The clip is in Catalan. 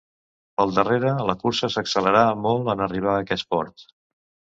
Pel darrere la cursa s'accelerà molt en arribar a aquest port.